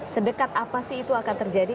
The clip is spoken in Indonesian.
sedekat apa sih itu akan terjadi